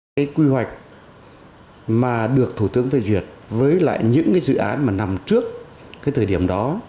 cái quy hoạch mà được thủ tướng phê duyệt với lại những cái dự án mà nằm trước cái thời điểm đó